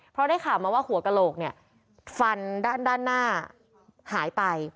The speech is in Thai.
เพราะได้ข่าวมาว่าหัวกระโหลกเนี่ยฟันด้านหน้าหายไป